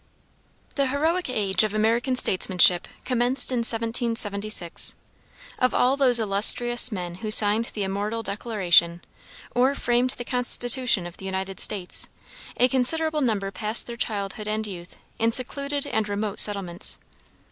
The heroic age of American statesmanship commenced in 1776. Of all those illustrious men who signed the immortal Declaration, or framed the Constitution of the United States, a considerable number passed their childhood and youth in secluded and remote settlements.